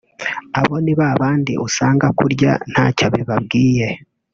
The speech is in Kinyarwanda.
abo ni ba bandi usanga kurya ntacyo bibabwiye